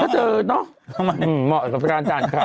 เจอเนาะเหมาะกับพระกาญจันทร์